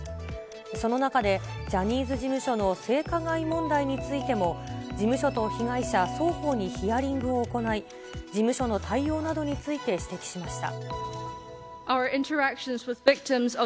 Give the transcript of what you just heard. その中でジャニーズ事務所の性加害問題についても、事務所と被害者双方にヒアリングを行い、事務所の対応などについて指摘しました。